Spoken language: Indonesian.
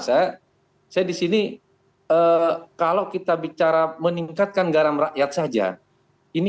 saya saya disini kalau kita bicara meningkatkan garam rakyat saja ini